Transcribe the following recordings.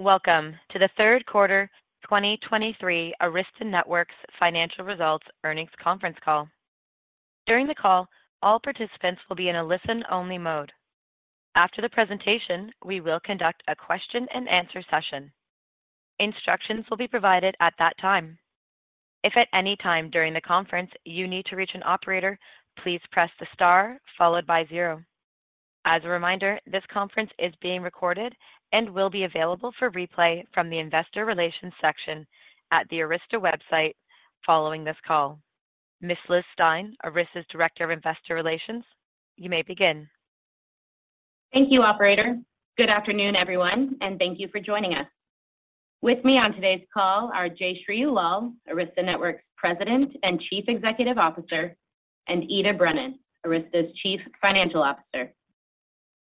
Welcome to the Third Quarter 2023 Arista Networks Financial Results Earnings Conference Call. During the call, all participants will be in a listen-only mode. After the presentation, we will conduct a question-and-answer session. Instructions will be provided at that time. If at any time during the conference you need to reach an operator, please press the star followed by zero. As a reminder, this conference is being recorded and will be available for replay from the Investor Relations section at the Arista website following this call. Ms. Liz Stine, Arista's Director of Investor Relations, you may begin. Thank you, operator. Good afternoon, everyone, and thank you for joining us. With me on today's call are Jayshree Ullal, Arista Networks President and Chief Executive Officer, and Ita Brennan, Arista's Chief Financial Officer.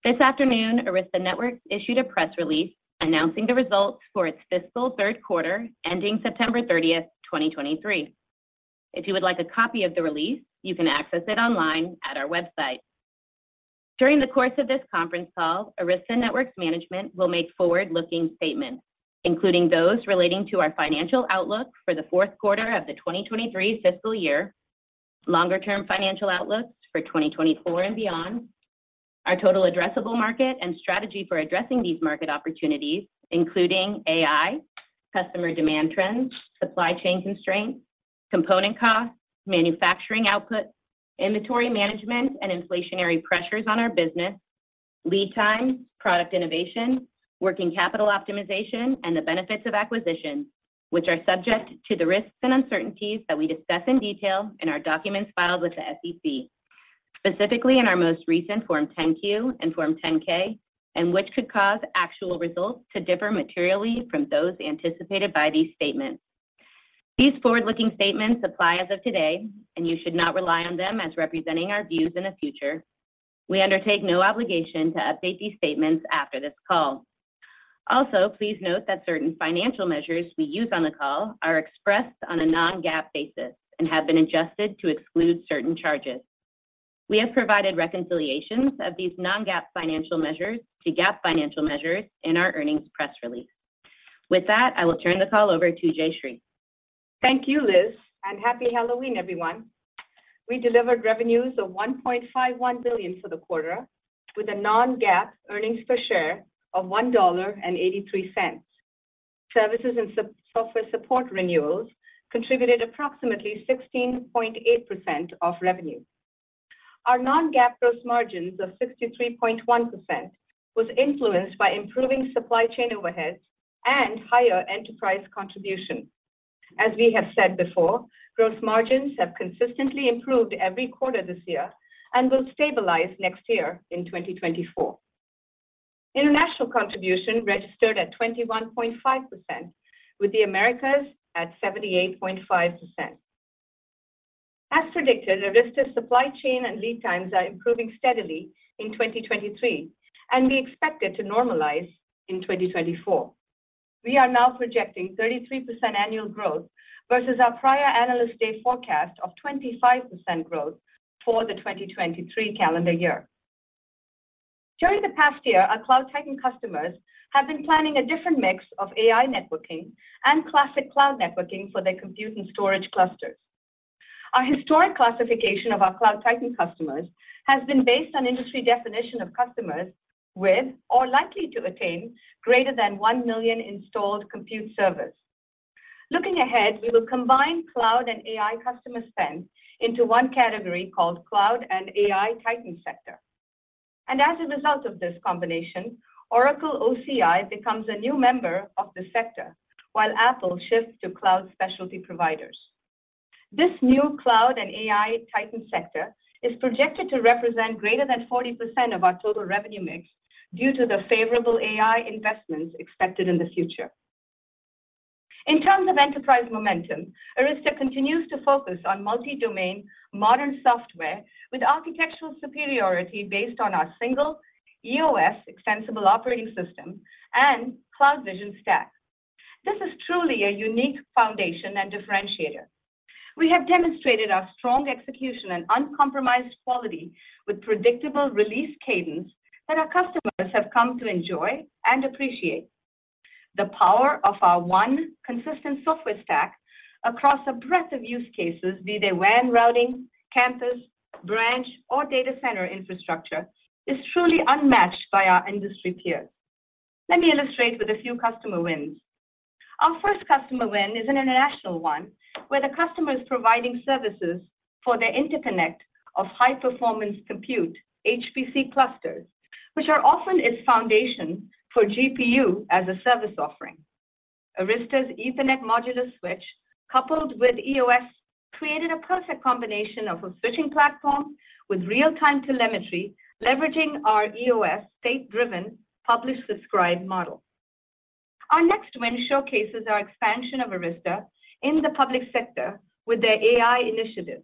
This afternoon, Arista Networks issued a press release announcing the results for its fiscal third quarter, ending September 30, 2023. If you would like a copy of the release, you can access it online at our website. During the course of this conference call, Arista Networks management will make forward-looking statements, including those relating to our financial outlook for the fourth quarter of the 2023 fiscal year, longer-term financial outlooks for 2024 and beyond, our total addressable market and strategy for addressing these market opportunities, including AI, customer demand trends, supply chain constraints, component costs, manufacturing output, inventory management and inflationary pressures on our business, lead time, product innovation, working capital optimization, and the benefits of acquisitions, which are subject to the risks and uncertainties that we discuss in detail in our documents filed with the SEC. Specifically in our most recent Form 10-Q and Form 10-K, and which could cause actual results to differ materially from those anticipated by these statements. These forward-looking statements apply as of today, and you should not rely on them as representing our views in the future. We undertake no obligation to update these statements after this call. Also, please note that certain financial measures we use on the call are expressed on a non-GAAP basis and have been adjusted to exclude certain charges. We have provided reconciliations of these non-GAAP financial measures to GAAP financial measures in our earnings press release. With that, I will turn the call over to Jayshree. Thank you, Liz, and happy Halloween, everyone. We delivered revenues of $1.51 billion for the quarter, with a non-GAAP earnings per share of $1.83. Services and software support renewals contributed approximately 16.8% of revenue. Our non-GAAP gross margins of 63.1% was influenced by improving supply chain overheads and higher enterprise contribution. As we have said before, gross margins have consistently improved every quarter this year and will stabilize next year in 2024. International contribution registered at 21.5%, with the Americas at 78.5%. As predicted, Arista's supply chain and lead times are improving steadily in 2023 and be expected to normalize in 2024. We are now projecting 33% annual growth versus our prior Analyst Day forecast of 25% growth for the 2023 calendar year. During the past year, our Cloud Titan customers have been planning a different mix of AI networking and classic cloud networking for their compute and storage clusters. Our historic classification of our Cloud Titan customers has been based on industry definition of customers with or likely to attain greater than 1 million installed compute servers. Looking ahead, we will combine cloud and AI customer spend into one category called Cloud and AI Titan Sector. As a result of this combination, Oracle OCI becomes a new member of the sector, while Apple shifts to cloud specialty providers. This new Cloud and AI Titan sector is projected to represent greater than 40% of our total revenue mix due to the favorable AI investments expected in the future. In terms of enterprise momentum, Arista continues to focus on multi-domain modern software with architectural superiority based on our single EOS Extensible Operating System and CloudVision stack. This is truly a unique foundation and differentiator. We have demonstrated our strong execution and uncompromised quality with predictable release cadence that our customers have come to enjoy and appreciate. The power of our one consistent software stack across a breadth of use cases, be they WAN routing, campus, branch, or data center infrastructure, is truly unmatched by our industry peers. Let me illustrate with a few customer wins. Our first customer win is an international one, where the customer is providing services for the interconnect of high-performance compute HPC clusters, which are often its foundation for GPU as a service offering. Arista's Ethernet modular switch, coupled with EOS, created a perfect combination of a switching platform with real-time telemetry, leveraging our EOS state-driven, publish-subscribe model. Our next win showcases our expansion of Arista in the public sector with their AI initiative.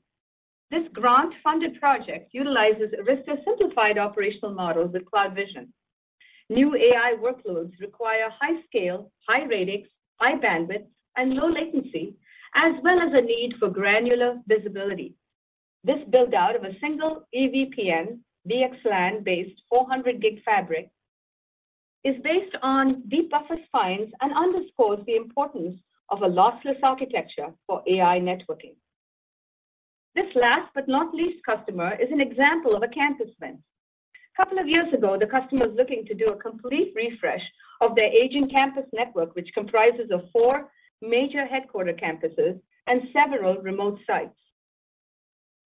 This grant-funded project utilizes Arista simplified operational models with CloudVision. New AI workloads require high scale, high radix, high bandwidth, and low latency, as well as a need for granular visibility. This build out of a single EVPN/VXLAN-based 400 gig fabric is based on deep buffer spines and underscores the importance of a lossless architecture for AI networking. This last but not least customer is an example of a campus win. A couple of years ago, the customer was looking to do a complete refresh of their aging campus network, which comprises of four major headquarters campuses and several remote sites.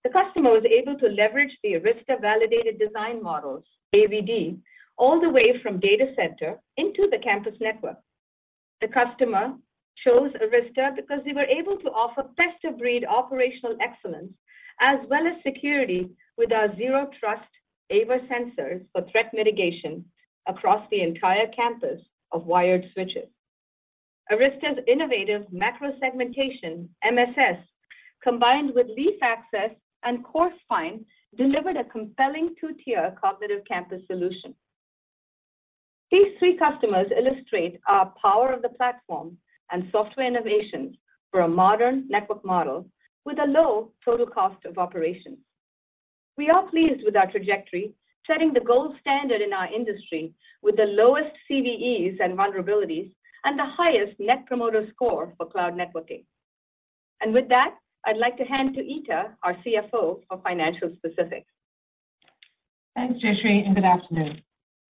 The customer was able to leverage the Arista Validated Design models, AVD, all the way from data center into the campus network. The customer chose Arista because they were able to offer best-of-breed operational excellence, as well as security with our Zero Trust AVA sensors for threat mitigation across the entire campus of wired switches. Arista's innovative macro segmentation, MSS, combined with leaf access and core spine, delivered a compelling two-tier cognitive campus solution. These three customers illustrate our power of the platform and software innovations for a modern network model with a low total cost of operations. We are pleased with our trajectory, setting the gold standard in our industry with the lowest CVEs and vulnerabilities and the highest net promoter score for cloud networking. With that, I'd like to hand to Ita, our CFO, for financial specifics. Thanks, Jayshree, and good afternoon.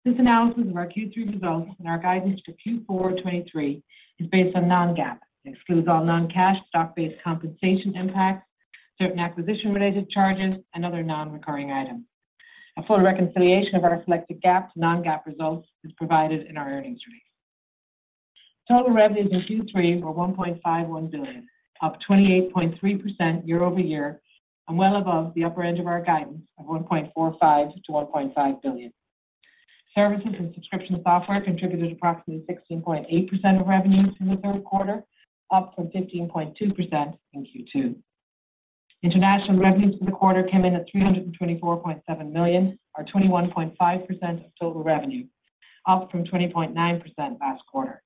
This analysis of our Q3 results and our guidance for Q4 2023 is based on non-GAAP. It excludes all non-cash stock-based compensation impacts, certain acquisition-related charges, and other non-recurring items. A full reconciliation of our selected GAAP to non-GAAP results is provided in our earnings release. Total revenues in Q3 were $1.51 billion, up 28.3% year-over-year, and well above the upper end of our guidance of $1.45 billion-$1.5 billion. Services and subscription software contributed approximately 16.8% of revenues in the third quarter, up from 15.2% in Q2. International revenues for the quarter came in at $324.7 million, or 21.5% of total revenue, up from 20.9% last quarter.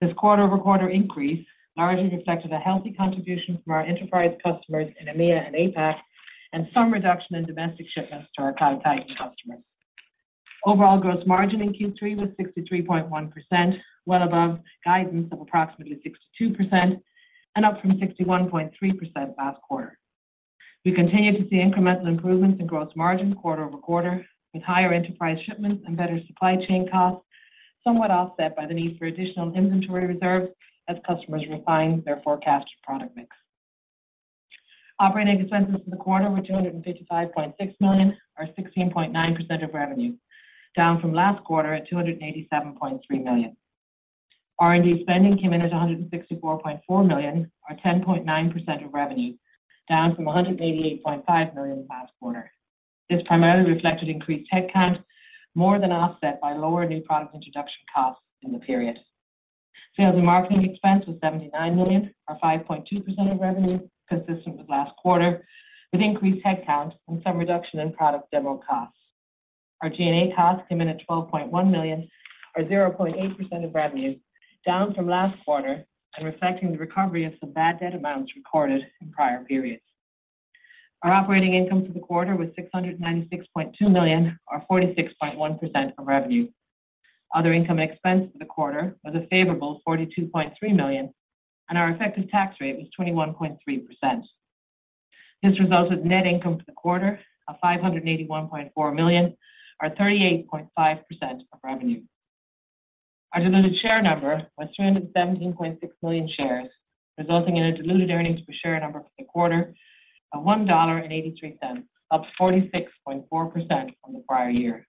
This quarter-over-quarter increase largely reflected a healthy contribution from our enterprise customers in EMEA and APAC, and some reduction in domestic shipments to our Cloud Titan customers. Overall gross margin in Q3 was 63.1%, well above guidance of approximately 62% and up from 61.3% last quarter. We continue to see incremental improvements in gross margin quarter over quarter, with higher enterprise shipments and better supply chain costs, somewhat offset by the need for additional inventory reserves as customers refine their forecast product mix. Operating expenses for the quarter were $255.6 million, or 16.9% of revenue, down from last quarter at $287.3 million. R&D spending came in at $164.4 million, or 10.9% of revenue, down from $188.5 million last quarter. This primarily reflected increased headcount, more than offset by lower new product introduction costs in the period. Sales and marketing expense was $79 million, or 5.2% of revenue, consistent with last quarter, with increased headcount and some reduction in product demo costs. Our G&A costs came in at $12.1 million, or 0.8% of revenue, down from last quarter and reflecting the recovery of some bad debt amounts recorded in prior periods. Our operating income for the quarter was $696.2 million, or 46.1% of revenue. Other income and expense for the quarter was a favorable $42.3 million, and our effective tax rate was 21.3%. This resulted in net income for the quarter of $581.4 million, or 38.5% of revenue. Our diluted share number was 317.6 million shares, resulting in a diluted earnings per share number for the quarter of $1.83, up 46.4% from the prior year.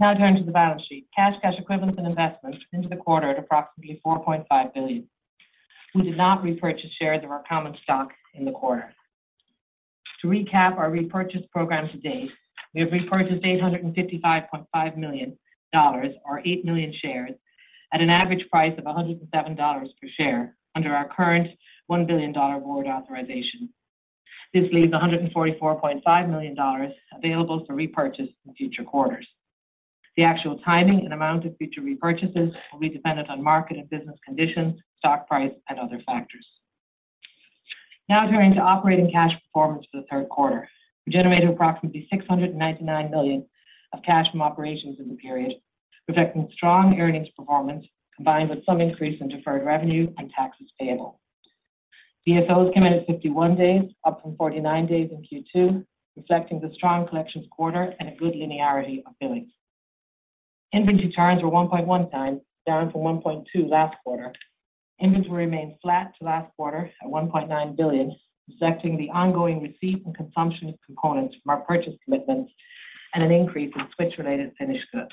Now turning to the balance sheet. Cash, cash equivalents, and investments into the quarter at approximately $4.5 billion. We did not repurchase shares of our common stock in the quarter. To recap our repurchase program to date, we have repurchased $855.5 million, or 8 million shares, at an average price of $107 per share under our current $1 billion board authorization. This leaves $144.5 million available for repurchase in future quarters. The actual timing and amount of future repurchases will be dependent on market and business conditions, stock price, and other factors. Now turning to operating cash performance for the third quarter. We generated approximately $699 million of cash from operations in the period, reflecting strong earnings performance, combined with some increase in deferred revenue and taxes payable. DSOs came in at 51 days, up from 49 days in Q2, reflecting the strong collections quarter and a good linearity of billings. Inventory turns were 1.1x, down from 1.2 last quarter. Inventory remained flat to last quarter at $1.9 billion, reflecting the ongoing receipt and consumption of components from our purchase commitments and an increase in switch-related finished goods.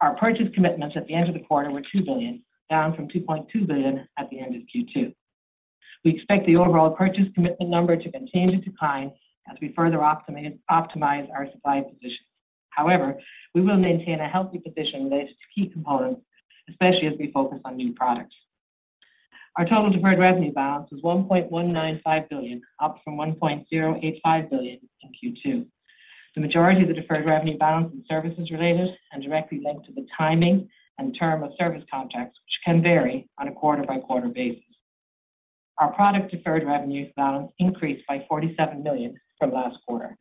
Our purchase commitments at the end of the quarter were $2 billion, down from $2.2 billion at the end of Q2. We expect the overall purchase commitment number to continue to decline as we further optimize our supply positions. However, we will maintain a healthy position related to key components, especially as we focus on new products. Our total deferred revenue balance was $1.195 billion, up from $1.085 billion in Q2. The majority of the deferred revenue balance and services related and directly linked to the timing and term of service contracts, which can vary on a quarter-by-quarter basis. Our product deferred revenues balance increased by $47 million from last quarter.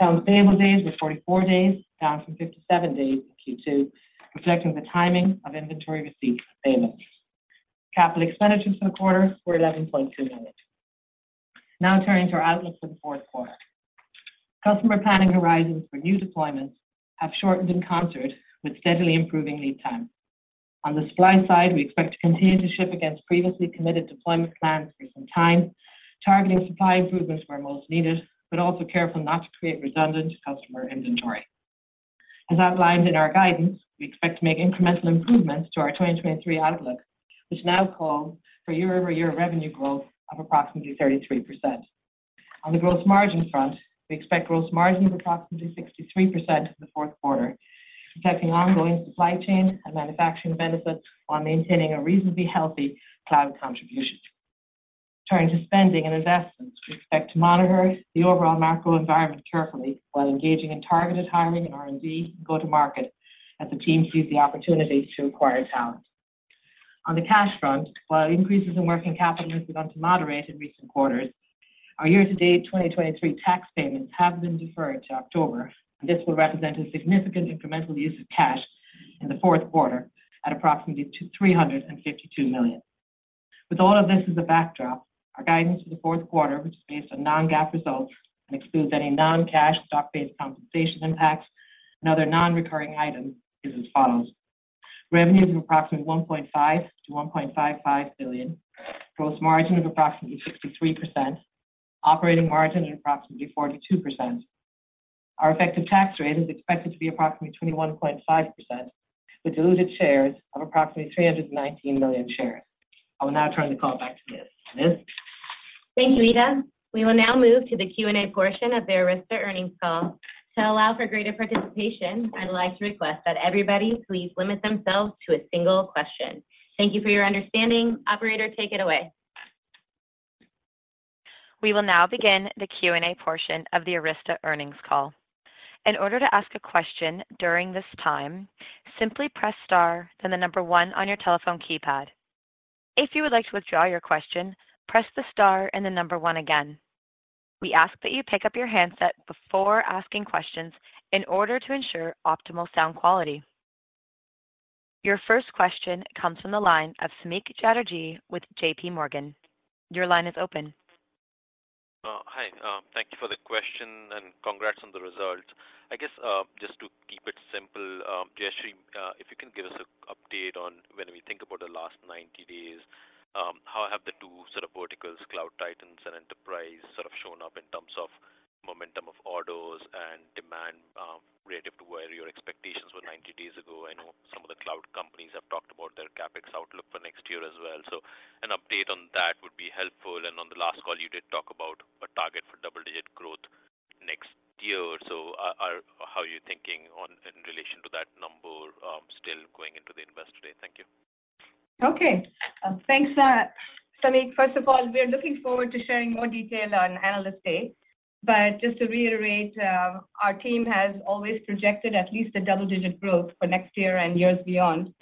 Sales payable days were 44 days, down from 57 days in Q2, reflecting the timing of inventory receipts and payments. Capital expenditures for the quarter were $11.2 million. Now turning to our outlook for the fourth quarter. Customer planning horizons for new deployments have shortened in concert with steadily improving lead time. On the supply side, we expect to continue to ship against previously committed deployment plans for some time, targeting supply improvements where most needed, but also careful not to create redundant customer inventory. As outlined in our guidance, we expect to make incremental improvements to our 2023 outlook, which now call for year-over-year revenue growth of approximately 33%. On the gross margin front, we expect gross margins of approximately 63% in the fourth quarter, reflecting ongoing supply chain and manufacturing benefits, while maintaining a reasonably healthy cloud contribution. Turning to spending and investments, we expect to monitor the overall macro environment carefully while engaging in targeted hiring and R&D go-to-market as the team seize the opportunity to acquire talent. On the cash front, while increases in working capital have begun to moderate in recent quarters, our year-to-date 2023 tax payments have been deferred to October, and this will represent a significant incremental use of cash in the fourth quarter at approximately $352 million. With all of this as a backdrop, our guidance for the fourth quarter, which is based on non-GAAP results and excludes any non-cash stock-based compensation impacts and other non-recurring items, is as follows: revenues of approximately $1.5 billion-$1.55 billion, gross margin of approximately 63%, operating margin of approximately 42%. Our effective tax rate is expected to be approximately 21.5%, with diluted shares of approximately 319 million shares. I will now turn the call back to Liz. Liz? Thank you, Ita. We will now move to the Q&A portion of the Arista earnings call. To allow for greater participation, I'd like to request that everybody please limit themselves to a single question. Thank you for your understanding. Operator, take it away. We will now begin the Q&A portion of the Arista earnings call. In order to ask a question during this time, simply press star, then the number one on your telephone keypad. If you would like to withdraw your question, press the star and the number one again. We ask that you pick up your handset before asking questions in order to ensure optimal sound quality. Your first question comes from the line of Samik Chatterjee with JPMorgan. Your line is open. Hi, thank you for the question and congrats on the results. I guess, just to keep it simple, Jayshree, if you can give us an update on when we think about the last 90 days, how have the two sets of verticals, Cloud Titans and enterprise, sort of shown up in terms of momentum of orders and demand, relative to where your expectations were 90 days ago? I know some of the cloud companies have talked about their CapEx outlook for next year as well. So an update on that would be helpful. And on the last call, you did talk about a target for double-digit growth next year or so. How are you thinking on, in relation to that number, still going into the Investor Day? Thank you. Okay. Thanks, Samik. First of all, we are looking forward to sharing more details on Analyst Day. But just to reiterate, our team has always projected at least a double-digit growth for next year and years beyond.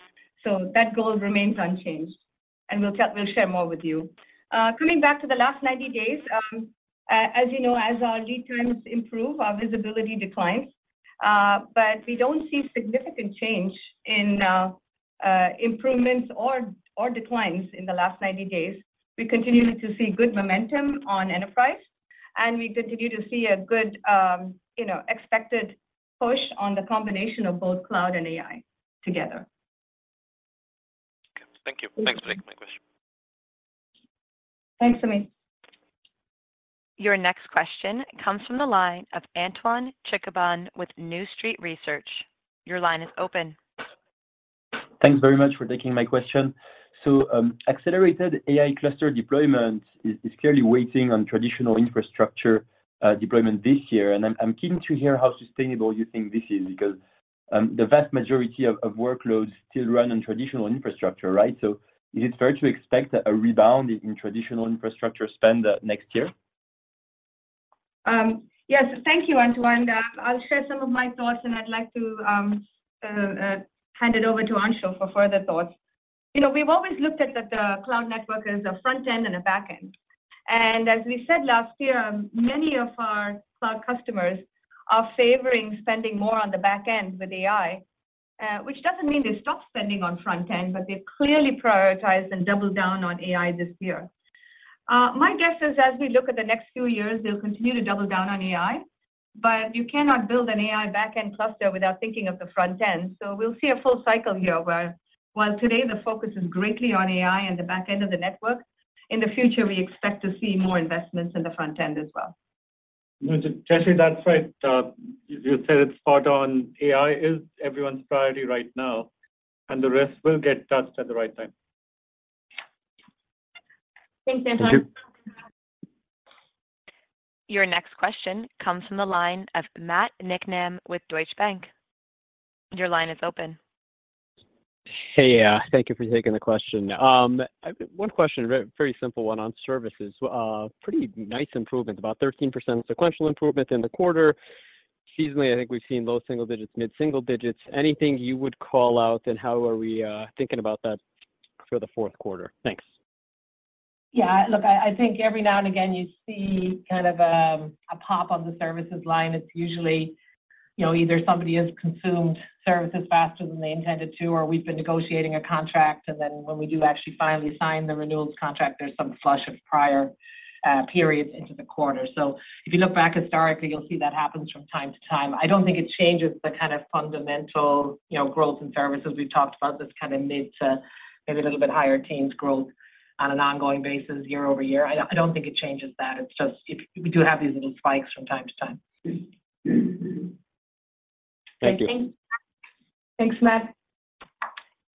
So that goal remains unchanged, and we'll tell-- we'll share more with you. Coming back to the last 90 days, as you know, as our lead times improve, our visibility declines. But we don't see significant change in improvements or declines in the last 90 days. We continue to see good momentum on enterprise, and we continue to see a good, you know, expected push on the combination of both cloud and AI together. Thank you. Thanks for taking my question. Thanks, Samik. Your next question comes from the line of Antoine Chkaiban with New Street Research. Your line is open. Thanks very much for taking my question. So, accelerated AI cluster deployment is clearly waiting on traditional infrastructure deployment this year. And I'm keen to hear how sustainable you think this is, because the vast majority of workloads still run on traditional infrastructure, right? So is it fair to expect a rebound in traditional infrastructure spend next year? Yes. Thank you, Antoine. I'll share some of my thoughts, and I'd like to hand it over to Anshul for further thoughts. You know, we've always looked at the cloud network as a front end and a back end. As we said last year, many of our cloud customers are favoring spending more on the back end with AI, which doesn't mean they stop spending on front end, but they've clearly prioritized and doubled down on AI this year. My guess is as we look at the next few years, they'll continue to double down on AI, but you cannot build an AI back-end cluster without thinking of the front end. So we'll see a full cycle here, where while today the focus is greatly on AI and the back end of the network, in the future, we expect to see more investments in the front end as well. Jayshree, that's right. You said it's spot on. AI is everyone's priority right now, and the rest will get touched at the right time. Thanks, Antoine. Thank you. Your next question comes from the line of Matt Nikman with Deutsche Bank. Your line is open. Hey, yeah, thank you for taking the question. One question, very, very simple one on services. So, pretty nice improvement, about 13% sequential improvement in the quarter. Seasonally, I think we've seen low single digits, mid single digits. Anything you would call out, and how are we thinking about that for the fourth quarter? Thanks. Yeah, look, I think every now and again, you see kind of a pop on the services line. It's usually, you know, either somebody has consumed services faster than they intended to, or we've been negotiating a contract, and then when we do actually finally sign the renewals contract, there's some flush of prior periods into the quarter. So if you look back historically, you'll see that happens from time to time. I don't think it changes the kind of fundamental, you know, growth in services. We've talked about this kind of mid- to maybe a little bit higher-teens growth on an ongoing basis, year-over-year. I don't think it changes that. It's just if we do have these little spikes from time to time. Thank you. Thanks, Matt.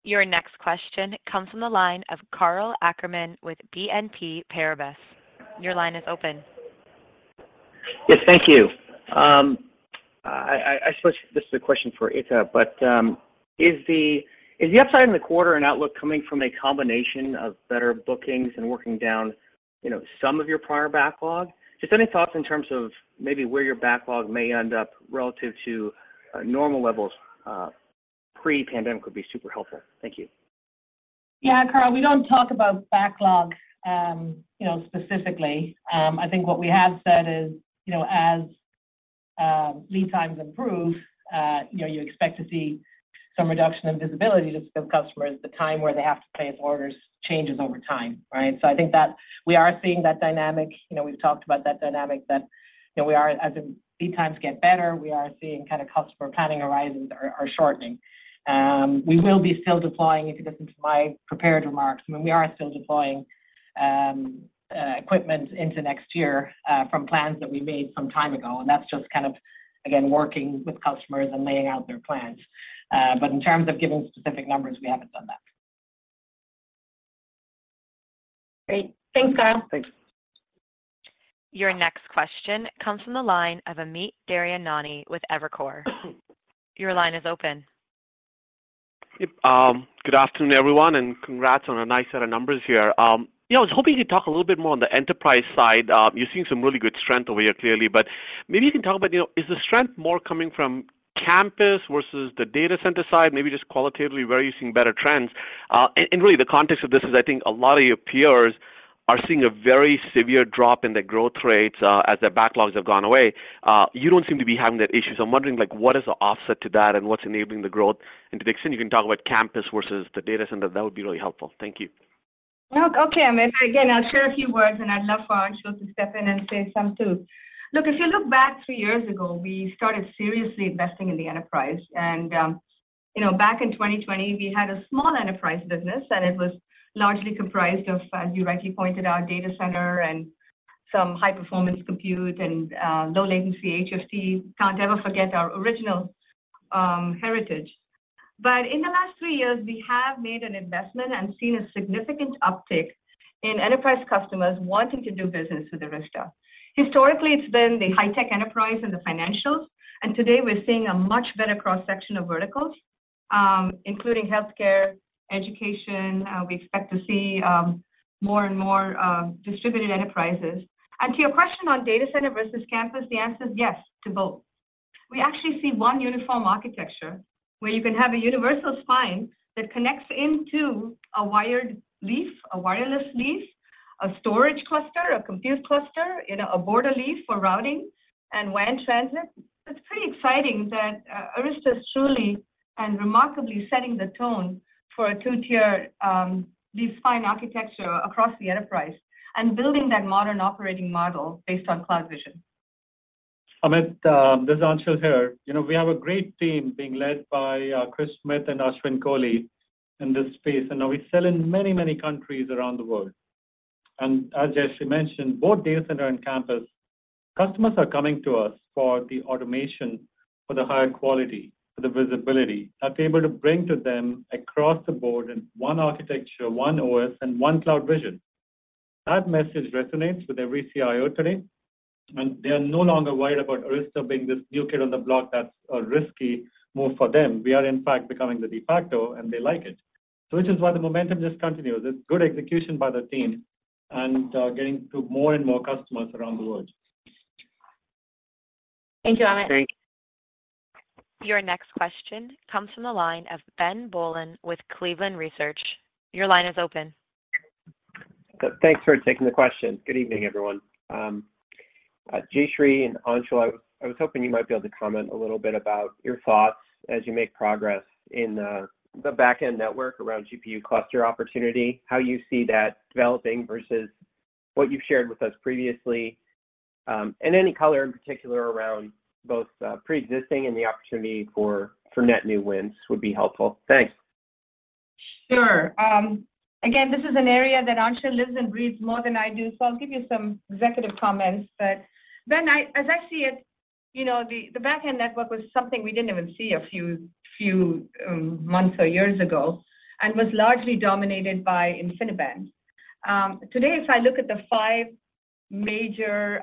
Your next question comes from the line of Karl Ackerman with BNP Paribas. Your line is open. Yes, thank you. I suppose this is a question for Ita, but is the upside in the quarter and outlook coming from a combination of better bookings and working down, you know, some of your prior backlog? Just any thoughts in terms of maybe where your backlog may end up relative to normal levels pre-pandemic would be super helpful. Thank you. Yeah, Karl, we don't talk about backlog, you know, specifically. I think what we have said is, you know, as lead times improve, you know, you expect to see some reduction in visibility to customers. The time where they have to place orders changes over time, right? So I think that we are seeing that dynamic. You know, we've talked about that dynamic that, you know, we are as the lead times get better, we are seeing kind of customer planning horizons are shortening. We will be still deploying, if you listen to my prepared remarks, I mean, we are still deploying equipment into next year from plans that we made some time ago, and that's just kind of, again, working with customers and laying out their plans. But in terms of giving specific numbers, we haven't done that. Great. Thanks, Karl. Thanks. Your next question comes from the line of Amit Daryanani with Evercore. Your line is open. Yep. Good afternoon, everyone, and congrats on a nice set of numbers here. You know, I was hoping you'd talk a little bit more on the enterprise side. You're seeing some really good strength over here, clearly, but maybe you can talk about, you know, is the strength more coming from campus versus the data center side? Maybe just qualitatively, where are you seeing better trends? And really the context of this is, I think a lot of your peers are seeing a very severe drop in their growth rates, as their backlogs have gone away. You don't seem to be having that issue, so I'm wondering, like, what is the offset to that and what's enabling the growth? And to the extent you can talk about campus versus the data center, that would be really helpful. Thank you. Well, okay, Amit. Again, I'll share a few words, and I'd love for Anshul to step in and say some, too. Look, if you look back three years ago, we started seriously investing in the enterprise. And, you know, back in 2020, we had a small enterprise business, and it was largely comprised of, as you rightly pointed out, data center and some high-performance compute and low-latency HFT. Can't ever forget our original heritage. But in the last three years, we have made an investment and seen a significant uptick in enterprise customers wanting to do business with Arista. Historically, it's been the high-tech enterprise and the financials, and today we're seeing a much better cross-section of verticals, including healthcare, education. We expect to see more and more distributed enterprises. To your question on data center versus campus, the answer is yes to both. We actually see one uniform architecture where you can have a universal spine that connects into a wired leaf, a wireless leaf, a storage cluster, a compute cluster, you know, a border leaf for routing and WAN transit. It's pretty exciting that Arista is truly and remarkably setting the tone for a two-tier leaf-spine architecture across the enterprise and building that modern operating model based on CloudVision. Amit, this is Anshul here. You know, we have a great team being led by, Chris Schmidt and Ashwin Kohli in this space, and now we sell in many, many countries around the world. And as Jayshree mentioned, both data center and campus, customers are coming to us for the automation, for the higher quality, for the visibility that we're able to bring to them across the board in one architecture, one OS, and one CloudVision. That message resonates with every CIO today, and they are no longer worried about Arista being this new kid on the block that's a risky move for them. We are, in fact, becoming the de facto, and they like it. So which is why the momentum just continues. It's good execution by the team and, getting to more and more customers around the world. Thank you, Amit. Thanks. Your next question comes from the line of Ben Bollin with Cleveland Research. Your line is open. Thanks for taking the question. Good evening, everyone. Jayshree and Anshul, I was hoping you might be able to comment a little bit about your thoughts as you make progress in the backend network around GPU cluster opportunity. How you see that developing versus what you've shared with us previously, and any color in particular around both preexisting and the opportunity for net new wins would be helpful. Thanks. Sure. Again, this is an area that Anshul lives and breathes more than I do, so I'll give you some executive comments. But then, as I see it, you know, the backend network was something we didn't even see a few months or years ago and was largely dominated by InfiniBand. Today, if I look at the five major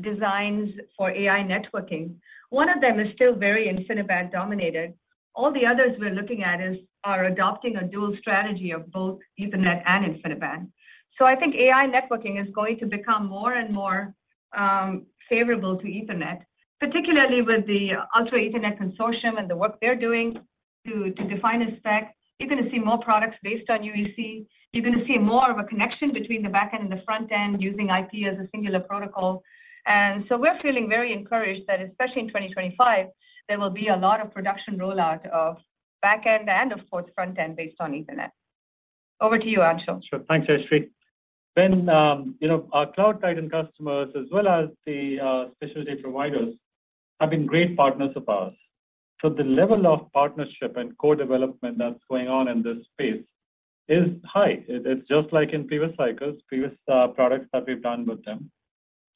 designs for AI networking. One of them is still very InfiniBand dominated. All the others we're looking at are adopting a dual strategy of both Ethernet and InfiniBand. So I think AI networking is going to become more and more favorable to Ethernet, particularly with the Ultra Ethernet Consortium and the work they're doing to define a spec. You're gonna see more products based on UEC. You're gonna see more of a connection between the back end and the front end, using IP as a singular protocol. And so we're feeling very encouraged that, especially in 2025, there will be a lot of production rollout of back end, and of course, front end based on Ethernet. Over to you, Anshul. Sure. Thanks, Jayshree. Then, you know, our Cloud Titan customers, as well as the specialty providers, have been great partners of ours. So the level of partnership and co-development that's going on in this space is high. It's just like in previous cycles, previous products that we've done with them.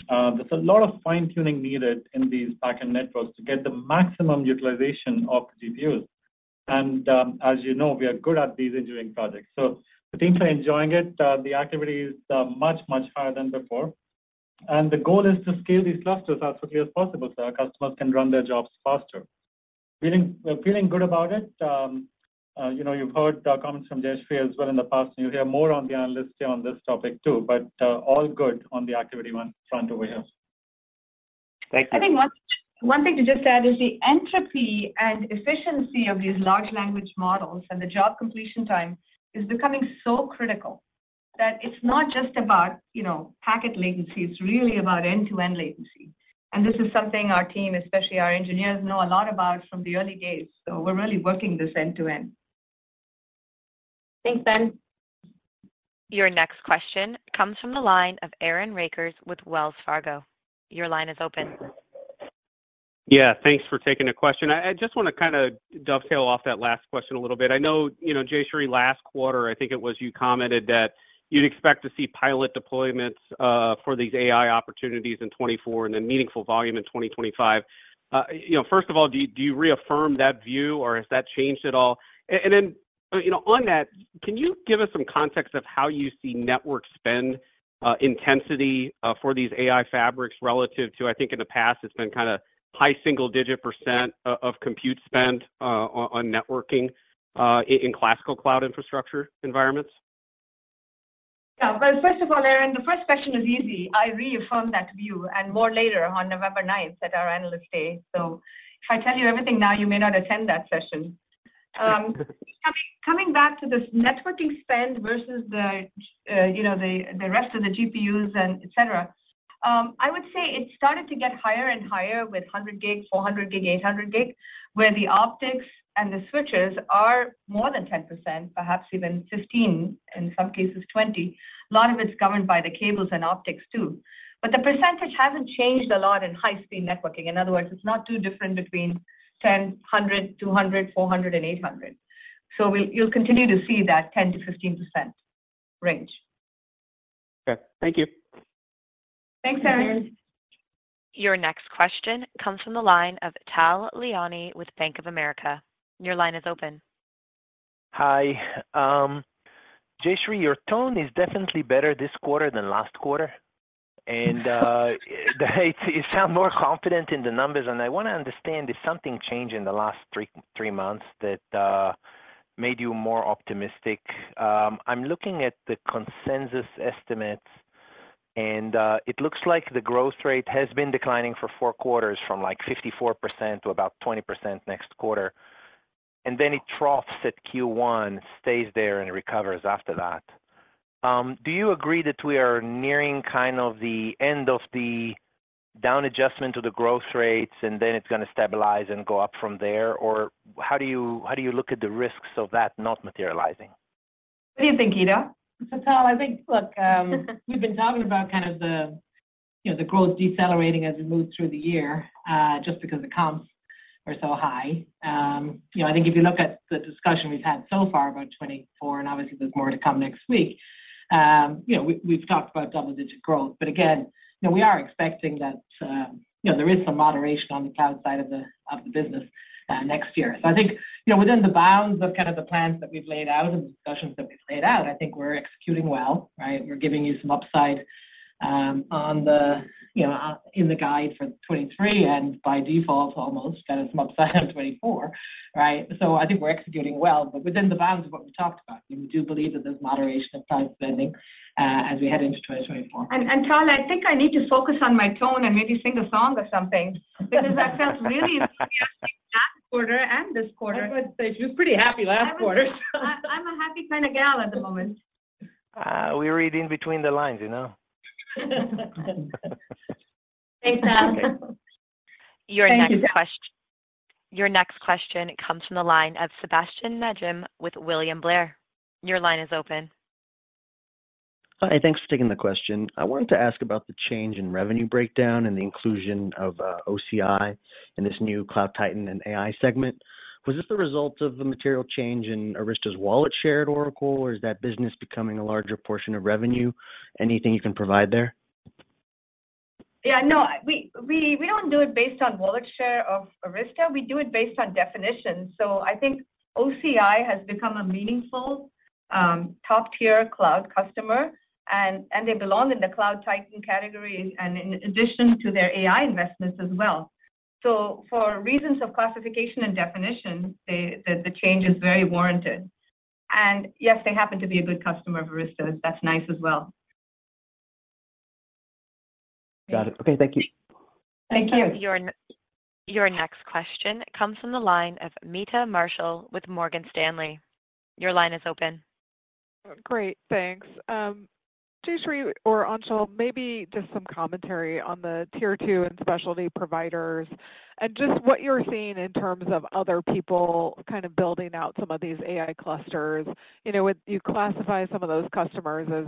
There's a lot of fine-tuning needed in these back-end networks to get the maximum utilization of GPUs. And, as you know, we are good at these engineering projects. So the teams are enjoying it. The activity is much, much higher than before. And the goal is to scale these clusters as quickly as possible, so our customers can run their jobs faster. We're feeling good about it. You know, you've heard comments from Jayshree as well in the past, and you'll hear more on the Analyst Day on this topic, too. But, all good on the activity front over here. Thank you. I think one, one thing to just add is the entropy and efficiency of these large language models and the job completion time is becoming so critical, that it's not just about, you know, packet latency, it's really about end-to-end latency. This is something our team, especially our engineers, know a lot about from the early days. So we're really working this end to end. Thanks, Ben. Your next question comes from the line of Aaron Rakers with Wells Fargo. Your line is open. Yeah, thanks for taking the question. I just wanna kinda dovetail off that last question a little bit. I know, you know, Jayshree, last quarter, I think it was, you commented that you'd expect to see pilot deployments for these AI opportunities in 2024 and then meaningful volume in 2025. You know, first of all, do you, do you reaffirm that view, or has that changed at all? And, and then, you know, on that, can you give us some context of how you see network spend intensity for these AI fabrics relative to... I think in the past, it's been kinda high single-digit percent of compute spend on networking in classical cloud infrastructure environments? Yeah. Well, first of all, Aaron, the first question is easy. I reaffirm that view, and more later on November ninth at our Analyst Day. So if I tell you everything now, you may not attend that session. Coming back to this networking spend versus the, you know, the rest of the GPUs and et cetera, I would say it started to get higher and higher with 100 gig, 400 gig, 800 gig, where the optics and the switches are more than 10%, perhaps even 15%, in some cases, 20%. A lot of it's governed by the cables and optics, too. But the percentage hasn't changed a lot in high-speed networking. In other words, it's not too different between 10, 100, 200, 400, and 800. So you'll continue to see that 10%-15% range. Okay. Thank you. Thanks, Aaron. Your next question comes from the line of Tal Liani with Bank of America. Your line is open. Hi. Jayshree, your tone is definitely better this quarter than last quarter. You sound more confident in the numbers, and I want to understand, did something change in the last three months that made you more optimistic? I'm looking at the consensus estimates, and it looks like the growth rate has been declining for four quarters, from, like, 54% to about 20% next quarter. Then it troughs at Q1, stays there, and recovers after that. Do you agree that we are nearing kind of the end of the down adjustment to the growth rates, and then it's gonna stabilize and go up from there? Or how do you look at the risks of that not materializing? What do you think, Ita? So Tal, I think, look, we've been talking about kind of the, you know, the growth decelerating as we move through the year, just because the comps are so high. You know, I think if you look at the discussion we've had so far about 2024, and obviously there's more to come next week, you know, we've talked about double-digit growth. But again, you know, we are expecting that, you know, there is some moderation on the cloud side of the, of the business, next year. So I think, you know, within the bounds of kind of the plans that we've laid out and the discussions that we've laid out, I think we're executing well, right? We're giving you some upside, on the, you know, in the guide for 2023, and by default, almost, there is some upside on 2024, right? So I think we're executing well, but within the bounds of what we talked about. We do believe that there's moderation in cloud spending, as we head into 2024. Tal, I think I need to focus on my tone and maybe sing a song or something, because I sound really enthusiastic last quarter and this quarter. I was going to say, she was pretty happy last quarter. I'm a happy kind of gal at the moment. We read in between the lines, you know? Thanks, Tal. Thank you. Your next question comes from the line of Sebastien Naji with William Blair. Your line is open. Hi, thanks for taking the question. I wanted to ask about the change in revenue breakdown and the inclusion of OCI in this new Cloud Titan and AI segment. Was this the result of the material change in Arista's wallet share at Oracle, or is that business becoming a larger portion of revenue? Anything you can provide there? Yeah, no, we don't do it based on wallet share of Arista. We do it based on definition. So I think OCI has become a meaningful top-tier cloud customer, and they belong in the Cloud Titan category, and in addition to their AI investments as well. So for reasons of classification and definition, the change is very warranted. And yes, they happen to be a good customer of Arista. That's nice as well. Got it. Okay. Thank you. Thank you. Your next question comes from the line of Meta Marshall with Morgan Stanley. Your line is open. Great, thanks. Jayshree or Anshul, maybe just some commentary on the tier two and specialty providers, and just what you're seeing in terms of other people kind of building out some of these AI clusters. You know, you classify some of those customers as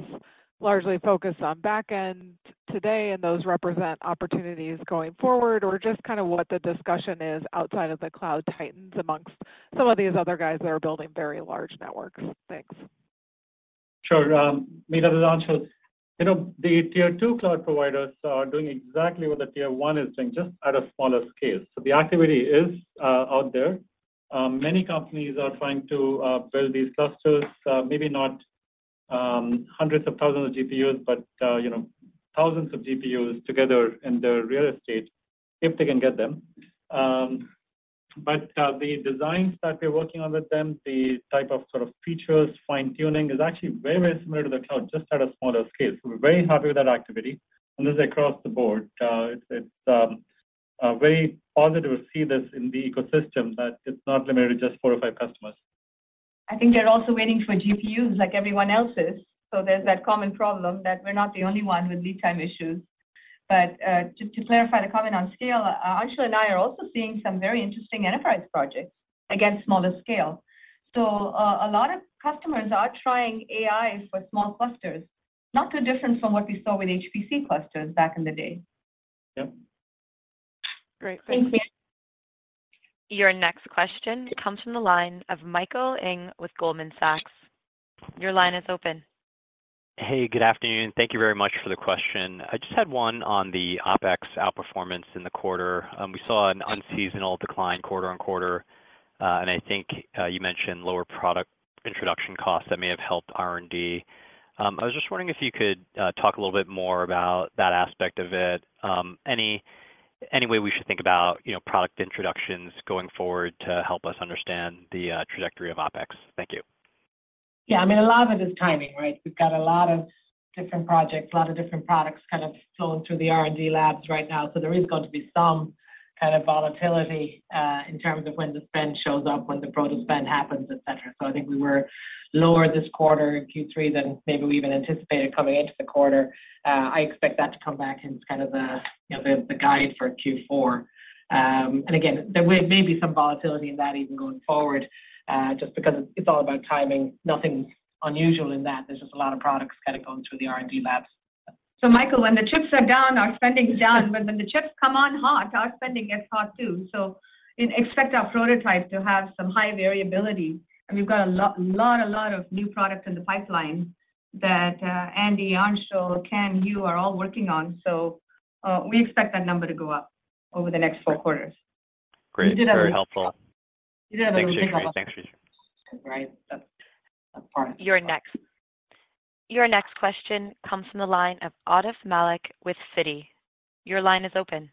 largely focused on back end today, and those represent opportunities going forward, or just kind of what the discussion is outside of the Cloud Titans amongst some of these other guys that are building very large networks. Thanks. Sure. Meta, this is Anshul. You know, the tier two cloud providers are doing exactly what the tier one is doing, just at a smaller scale. So the activity is out there. Many companies are trying to build these clusters, maybe not hundreds of thousands of GPUs, but you know, thousands of GPUs together in their real estate if they can get them. But the designs that we're working on with them, the type of sort of features, fine-tuning, is actually very, very similar to the cloud, just at a smaller scale. So we're very happy with that activity. And this is across the board. It's very positive to see this in the ecosystem, that it's not limited to just four or five customers. I think they're also waiting for GPUs like everyone else is, so there's that common problem that we're not the only one with lead time issues. But, just to clarify the comment on scale, Anshul and I are also seeing some very interesting enterprise projects, again, smaller scale. So, a lot of customers are trying AI for small clusters, not too different from what we saw with HPC clusters back in the day. Yep. Great. Thank you. Your next question comes from the line of Michael Ng with Goldman Sachs. Your line is open. Hey, good afternoon. Thank you very much for the question. I just had one on the OpEx outperformance in the quarter. We saw an unseasonal decline quarter on quarter, and I think you mentioned lower product introduction costs that may have helped R&D. I was just wondering if you could talk a little bit more about that aspect of it. Any way we should think about, you know, product introductions going forward to help us understand the trajectory of OpEx? Thank you. Yeah. I mean, a lot of it is timing, right? We've got a lot of different projects, a lot of different products kind of flowing through the R&D labs right now. So there is going to be some kind of volatility in terms of when the spend shows up, when the proto spend happens, et cetera. So I think we were lower this quarter in Q3 than maybe we even anticipated coming into the quarter. I expect that to come back in kind of the, you know, the guide for Q4. And again, there may be some volatility in that even going forward, just because it's all about timing. Nothing unusual in that. There's just a lot of products kind of going through the R&D labs. So Michael, when the chips are down, our spending is down, but when the chips come on hot, our spending gets hot too. So expect our prototype to have some high variability. I mean, we've got a lot, lot, a lot of new products in the pipeline that Andy, Anshul, Ken, you are all working on. So we expect that number to go up over the next four quarters. Great. Very helpful. We did have a- Thanks, Jayshree. Thanks, Jayshree. Right. That's a part of it. Your next question comes from the line of Atif Malik with Citi. Your line is open.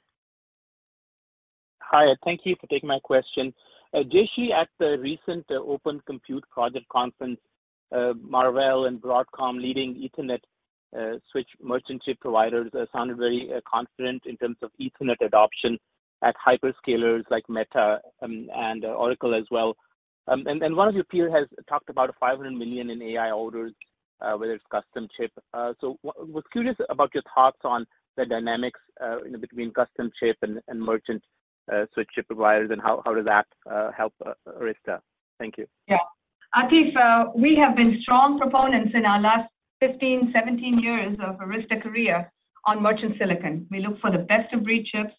Hi, thank you for taking my question. Jayshree, at the recent Open Compute Project conference, Marvell and Broadcom, leading Ethernet switch merchant chip providers, sounded very confident in terms of Ethernet adoption at hyperscalers like Meta and Oracle as well. And one of your peers has talked about a $500 million in AI orders, whether it's custom chip. So I was curious about your thoughts on the dynamics between custom chip and merchant switch chip providers, and how does that help Arista? Thank you. Yeah. Atif, we have been strong proponents in our last 15, 17 years of Arista career on merchant silicon. We look for the best-of-breed chips.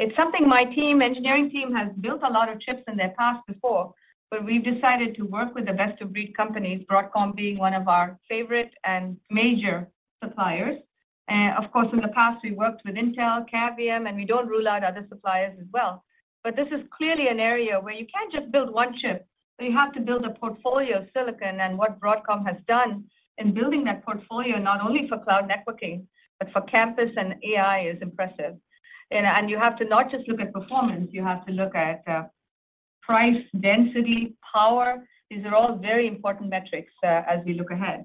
It's something my team, engineering team, has built a lot of chips in their past before, but we've decided to work with the best-of-breed companies, Broadcom being one of our favorite and major suppliers. Of course, in the past, we worked with Intel, Cavium, and we don't rule out other suppliers as well. But this is clearly an area where you can't just build one chip, but you have to build a portfolio of silicon. And what Broadcom has done in building that portfolio, not only for cloud networking, but for campus and AI, is impressive. And, and you have to not just look at performance, you have to look at, price, density, power. These are all very important metrics as we look ahead.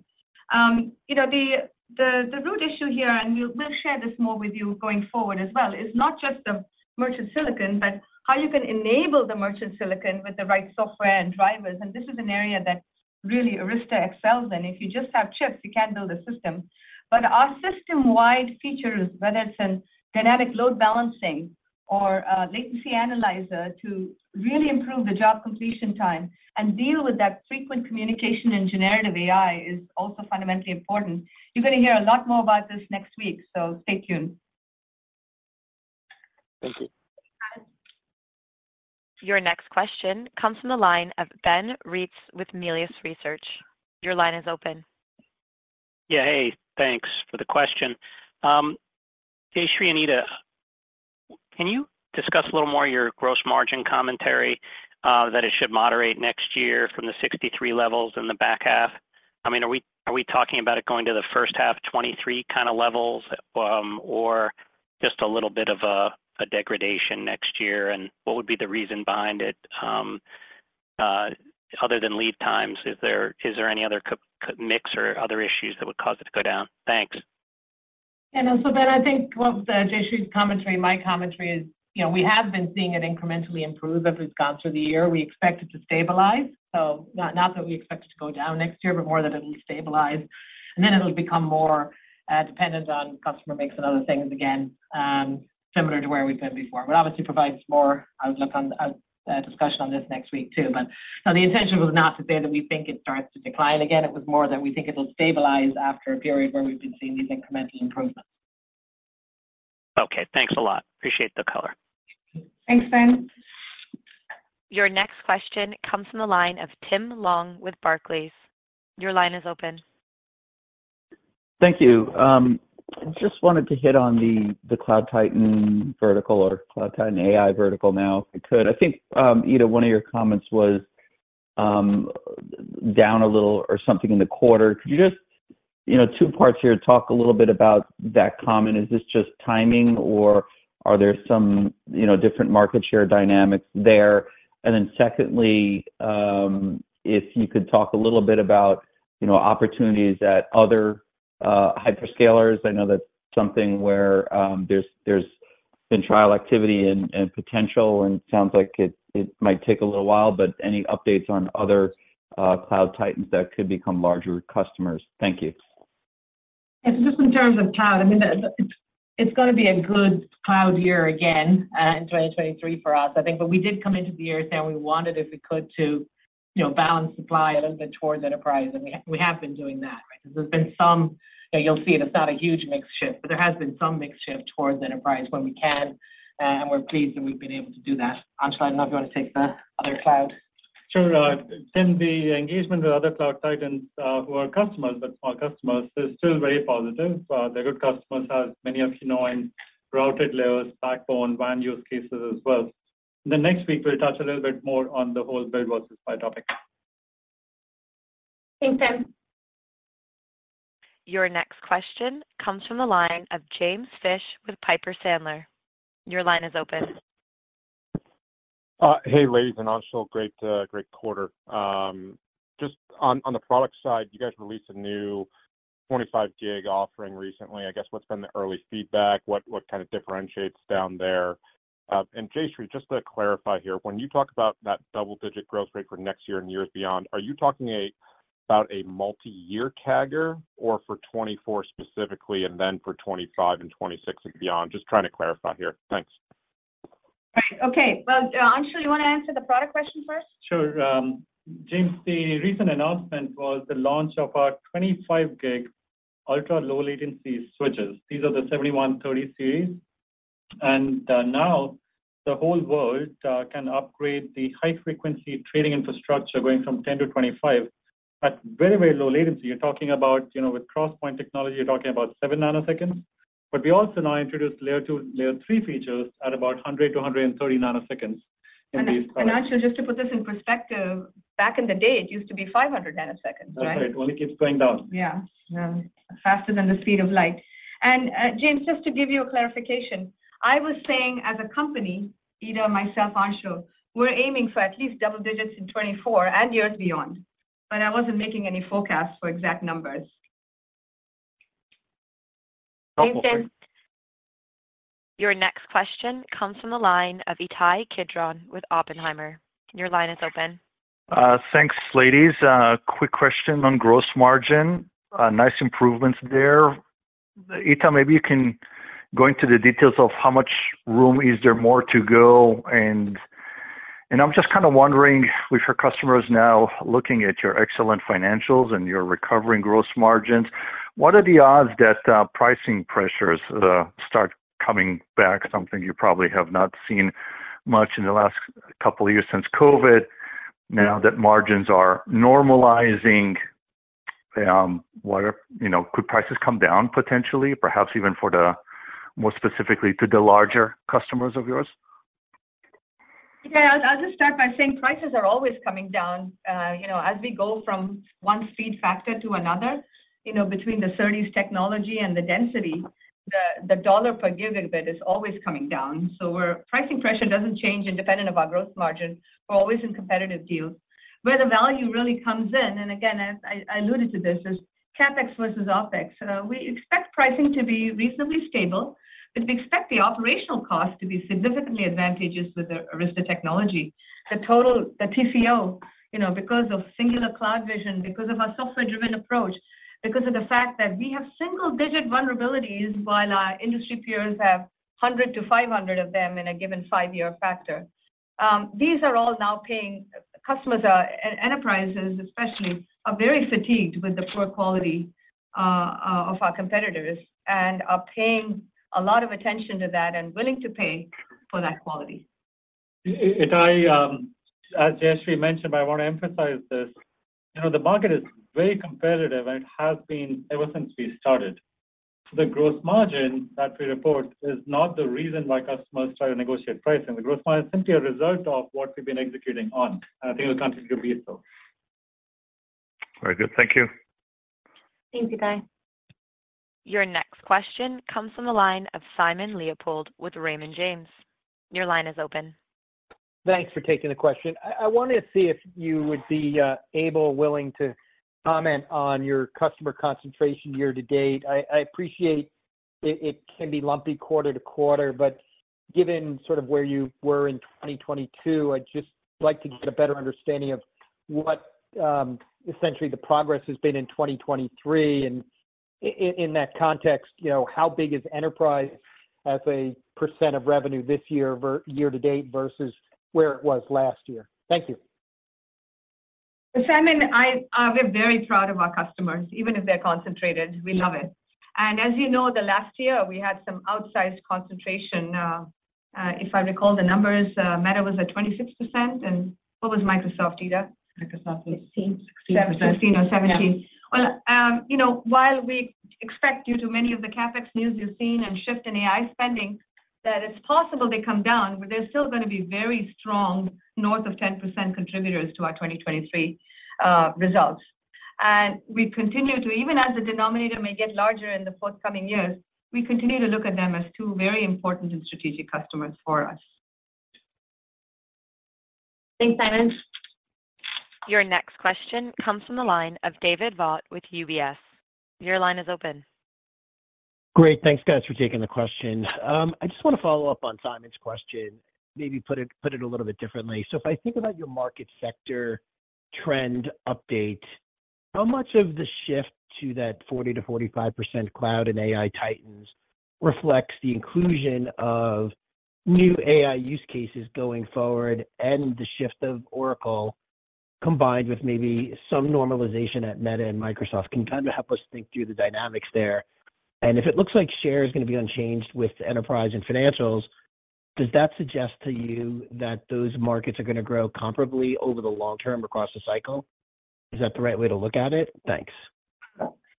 You know, the root issue here, and we'll share this more with you going forward as well, is not just the merchant silicon, but how you can enable the merchant silicon with the right software and drivers. And this is an area that really Arista excels in. If you just have chips, you can't build a system. But our system-wide features, whether it's in dynamic load balancing or latency analyzer, to really improve the job completion time and deal with that frequent communication in generative AI, is also fundamentally important. You're going to hear a lot more about this next week, so stay tuned. Thank you. Your next question comes from the line of Ben Reitzes with Melius Research. Your line is open. Yeah, hey, thanks for the question. Hey, Jayshree, Ita, can you discuss a little more your gross margin commentary, that it should moderate next year from the 63 levels in the back half? I mean, are we, are we talking about it going to the first half 2023 kind of levels, or just a little bit of a, a degradation next year? And what would be the reason behind it, other than lead times, is there any other customer mix or other issues that would cause it to go down? Thanks. I think both Jayshree's commentary and my commentary is, you know, we have been seeing it incrementally improve as we've gone through the year. We expect it to stabilize, so not that we expect it to go down next year, but more that it'll stabilize, and then it'll become more dependent on customer mix and other things, again, similar to where we've been before. Obviously provides more outlook on discussion on this next week, too. The intention was not to say that we think it starts to decline again. It was more that we think it'll stabilize after a period where we've been seeing these incremental improvements. Okay, thanks a lot. Appreciate the color. Thanks, Ben. Your next question comes from the line of Tim Long with Barclays. Your line is open. Thank you. I just wanted to hit on the, the Cloud Titan vertical or Cloud Titan AI vertical now, if I could. I think, Ita, one of your comments was, down a little or something in the quarter. Could you just, you know, two parts here, talk a little bit about that comment. Is this just timing or are there some, you know, different market share dynamics there? And then secondly, if you could talk a little bit about, you know, opportunities at other, hyperscalers. I know that's something where, there's, there's been trial activity and, and potential, and it sounds like it, it might take a little while, but any updates on other, Cloud Titans that could become larger customers? Thank you. Just in terms of cloud, I mean, it's gonna be a good cloud year again in 2023 for us, I think. But we did come into the year saying we wanted, if we could, to, you know, balance supply a little bit towards enterprise, and we have been doing that, right? There's been some... You'll see it. It's not a huge mix shift, but there has been some mix shift towards enterprise when we can, and we're pleased that we've been able to do that. Anshul, I not going to take the other cloud. Sure. Then the engagement with other cloud titans, who are customers, but our customers is still very positive. They're good customers, as many of you know, in routed layers, backbone, WAN use cases as well. The next week we'll touch a little bit more on the whole build versus buy topic. Thanks, Tim. Your next question comes from the line of James Fish with Piper Sandler. Your line is open. Hey, ladies and Anshul, great, great quarter. Just on the product side, you guys released a new 25 gig offering recently. I guess what's been the early feedback? What kind of differentiates down there? And Jayshree, just to clarify here, when you talk about that double-digit growth rate for next year and years beyond, are you talking about a multiyear CAGR or for 2024 specifically, and then for 2025 and 2026 and beyond? Just trying to clarify here. Thanks. Right. Okay. Well, Anshul, you want to answer the product question first? Sure. James, the recent announcement was the launch of our 25 gig ultra-low latency switches. These are the 7130 Series, and now the whole world can upgrade the high frequency trading infrastructure going from 10 to 25 at very, very low latency. You're talking about, you know, with cross-point technology, you're talking about 7 nanoseconds, but we also now introduced layer two, layer three features at about 100 to 130 nanoseconds in these products. Anshul, just to put this in perspective, back in the day, it used to be 500 nanoseconds, right? That's right. It only keeps going down. Yeah, faster than the speed of light. And, James, just to give you a clarification, I was saying as a company, EOS, myself, Anshul, we're aiming for at least double digits in 2024 and years beyond, but I wasn't making any forecasts for exact numbers. Thanks, James. Your next question comes from the line of Ittai Kidron with Oppenheimer. Your line is open. Thanks, ladies. Quick question on gross margin. Nice improvements there. Ittai, maybe you can go into the details of how much room is there more to go. And I'm just kind of wondering, with your customers now looking at your excellent financials and your recovering gross margins, what are the odds that pricing pressures start coming back? Something you probably have not seen much in the last couple of years since COVID, now that margins are normalizing. What are... You know, could prices come down potentially, perhaps even for the, more specifically to the larger customers of yours? Yeah, I'll just start by saying prices are always coming down. You know, as we go from one speed factor to another, you know, between the SerDes technology and the density, the dollar per gigabit is always coming down. So, pricing pressure doesn't change independent of our growth margin. We're always in competitive deals. Where the value really comes in, and again, as I alluded to this, is CapEx versus OpEx. We expect pricing to be reasonably stable, but we expect the operational cost to be significantly advantageous with the Arista technology. The total, the TCO, you know, because of singular CloudVision, because of our software-driven approach, because of the fact that we have single-digit vulnerabilities, while our industry peers have 100-500 of them in a given five-year factor. These are-... Now, paying customers and enterprises, especially, are very fatigued with the poor quality of our competitors and are paying a lot of attention to that and willing to pay for that quality. I, as Jayshree mentioned, but I want to emphasize this, you know, the market is very competitive, and it has been ever since we started. The growth margin that we report is not the reason why customers try to negotiate pricing. The growth margin is simply a result of what we've been executing on, and I think it will continue to be so. Very good. Thank you. Thank you, Ittai. Your next question comes from the line of Simon Leopold with Raymond James. Your line is open. Thanks for taking the question. I wanted to see if you would be able or willing to comment on your customer concentration year to date. I appreciate it, it can be lumpy quarter to quarter, but given sort of where you were in 2022, I'd just like to get a better understanding of what essentially the progress has been in 2023. In that context, you know, how big is enterprise as a percent of revenue this year year-to-date, versus where it was last year? Thank you. Simon, I, we're very proud of our customers, even if they're concentrated. We love it. And as you know, the last year, we had some outsized concentration. If I recall the numbers, Meta was at 26%, and what was Microsoft, Ita? Microsoft was 16%. 16% or 17%. Yeah. Well, you know, while we expect due to many of the CapEx news you've seen and shift in AI spending, that it's possible they come down, but they're still gonna be very strong, north of 10% contributors to our 2023 results. And we continue to, even as the denominator may get larger in the forthcoming years, we continue to look at them as two very important and strategic customers for us. Thanks, Simon. Your next question comes from the line of David Vogt with UBS. Your line is open. Great. Thanks, guys, for taking the question. I just want to follow up on Simon's question, maybe put it, put it a little bit differently. So if I think about your market sector trend update, how much of the shift to that 40%-45% cloud and AI titans reflects the inclusion of new AI use cases going forward, and the shift of Oracle, combined with maybe some normalization at Meta and Microsoft? Can you kind of help us think through the dynamics there? And if it looks like share is going to be unchanged with enterprise and financials, does that suggest to you that those markets are going to grow comparably over the long term across the cycle? Is that the right way to look at it? Thanks.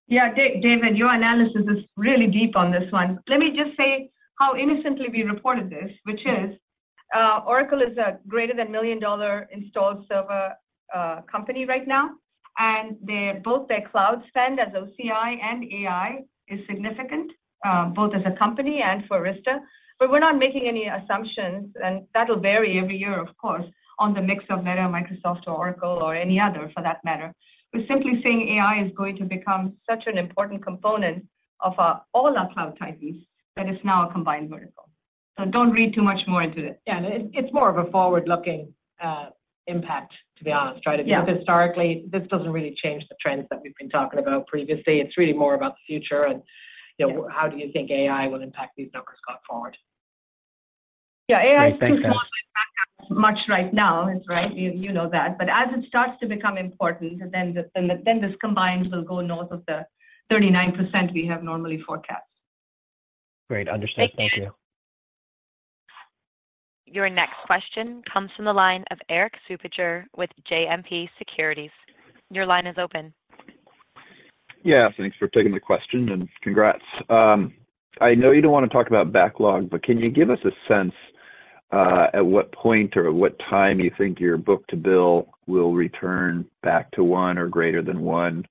Yeah. David, your analysis is really deep on this one. Let me just say how innocently we reported this, which is, Oracle is a greater than million-dollar installed server company right now, and they, both their cloud spend as OCI and AI is significant, both as a company and for Arista. But we're not making any assumptions, and that'll vary every year, of course, on the mix of Meta, Microsoft or Oracle or any other, for that matter. We're simply saying AI is going to become such an important component of, all our cloud types, that it's now a combined vertical. So don't read too much more into it. Yeah, and it, it's more of a forward-looking impact, to be honest, right? Yeah. Historically, this doesn't really change the trends that we've been talking about previously. It's really more about the future and, you know- Yeah How do you think AI will impact these numbers going forward? Yeah, AI- Great. Thanks, guys.... much right now, right? You know that. But as it starts to become important, then the, then this combined will go north of the 39% we have normally forecast. Great, understood. Thank you. Thank you. Your next question comes from the line of Erik Suppiger with JMP Securities. Your line is open. Yeah, thanks for taking the question, and congrats. I know you don't want to talk about backlog, but can you give us a sense at what point or what time you think your book-to-bill will return back to one or greater than one?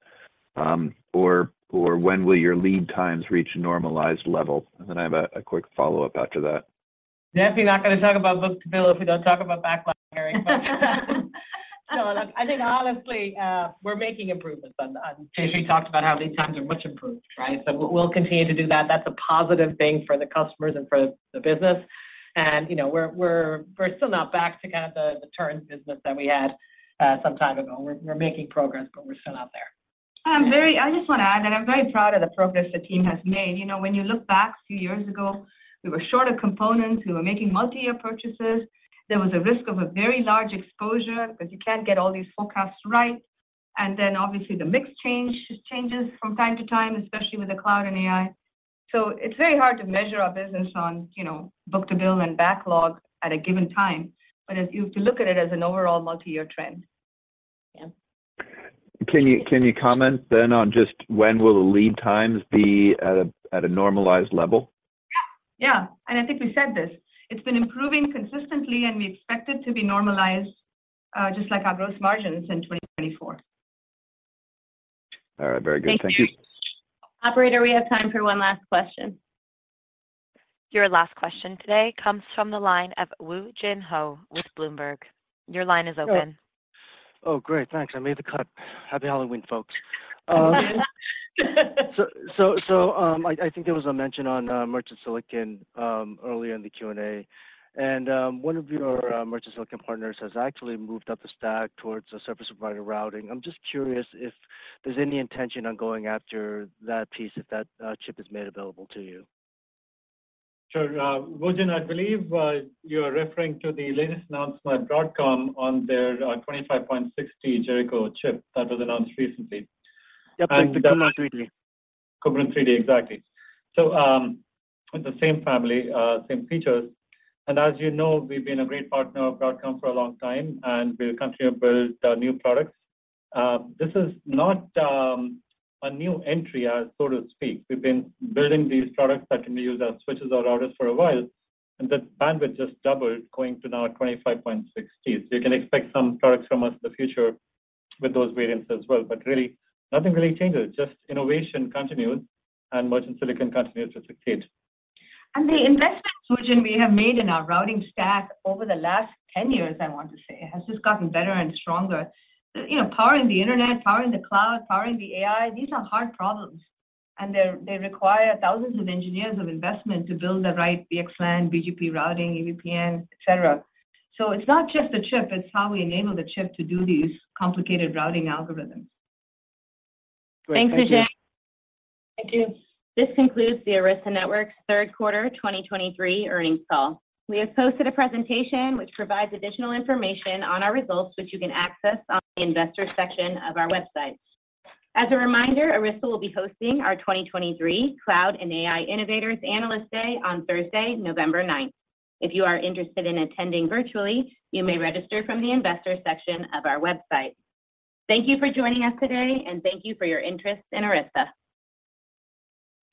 Or when will your lead times reach a normalized level? And then I have a quick follow-up after that. Yeah, we're not going to talk about book-to-bill if we don't talk about backlog, Erik. So look, I think honestly, we're making improvements on that. Jayshree talked about how lead times are much improved, right? So we'll continue to do that. That's a positive thing for the customers and for the business. And you know, we're still not back to kind of the current business that we had some time ago. We're making progress, but we're still out there. I just want to add, and I'm very proud of the progress the team has made. You know, when you look back a few years ago, we were short of components. We were making multi-year purchases. There was a risk of a very large exposure, because you can't get all these forecasts right. And then obviously, the mix change, changes from time to time, especially with the cloud and AI. So it's very hard to measure our business on, you know, book-to-bill and backlog at a given time, but if you look at it as an overall multi-year trend. Yeah. Can you comment then on just when will the lead times be at a normalized level? Yeah. And I think we said this. It's been improving consistently, and we expect it to be normalized just like our growth margins in 2024. All right. Very good. Thank you. Thank you. Operator, we have time for one last question. Your last question today comes from the line of Woo Jin Ho with Bloomberg. Your line is open. Oh, great, thanks. I made the cut. Happy Halloween, folks. I think there was a mention on merchant silicon earlier in the Q&A. And one of your merchant silicon partners has actually moved up the stack towards a service provider routing. I'm just curious if there's any intention on going after that piece, if that chip is made available to you. Sure. Woo Jin, I believe you're referring to the latest announcement at Broadcom on their 25.6T Jericho chip that was announced recently. Yep, the Qumran3D. Qumran3D, exactly. So, with the same family, same features, and as you know, we've been a great partner of Broadcom for a long time, and we'll continue to build our new products. This is not a new entry, so to speak. We've been building these products that can be used as switches or routers for a while, and the bandwidth just doubled, going to now 25.6T. So you can expect some products from us in the future with those variants as well. But really, nothing really changes, just innovation continues and merchant silicon continues to succeed. The investment solution we have made in our routing stack over the last 10 years, I want to say, has just gotten better and stronger. You know, powering the internet, powering the cloud, powering the AI, these are hard problems, and they require thousands of engineers of investment to build the right VXLAN, BGP routing, EVPN, et cetera. So it's not just the chip, it's how we enable the chip to do these complicated routing algorithms. Great. Thank you. Thanks, Woo Jin. Thank you. This concludes the Arista Networks third quarter 2023 earnings call. We have posted a presentation which provides additional information on our results, which you can access on the Investors section of our website. As a reminder, Arista will be hosting our 2023 Cloud and AI Innovators Analyst Day on Thursday, November 9th. If you are interested in attending virtually, you may register from the Investors section of our website. Thank you for joining us today, and thank you for your interest in Arista.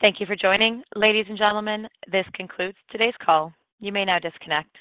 Thank you for joining. Ladies and gentlemen, this concludes today's call. You may now disconnect.